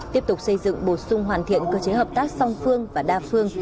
tiếp tục xây dựng bổ sung hoàn thiện cơ chế hợp tác song phương và đa phương